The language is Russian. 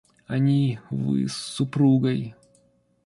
Они... Вы... с супругой.